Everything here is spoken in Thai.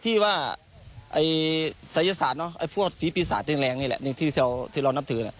ที่ว่าศัยศาสตร์ไอ้พวกผีปีศาจแดงนี่แหละที่เรานับถือ